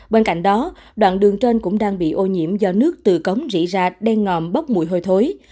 bên cạnh đó đoạn đường trên cũng đang bị ô nhiễm do nước từ cống rỉ ra đen ngòm bốc mùi hôi thối